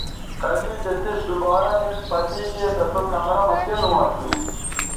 کدی چہء تِس دوبارہ اینڇ پتے گے تہ سو کمرہ مہ کیلوں اسو